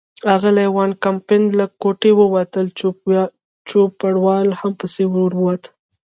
اغلې وان کمپن له کوټې ووتل، چوپړوال هم پسې ور ووت.